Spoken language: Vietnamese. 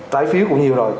tái phiếu cũng nhiều rồi